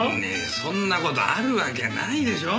そんな事あるわけないでしょ。